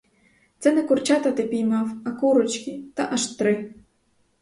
Це не курчата ти впіймав, а курочки, та аж три!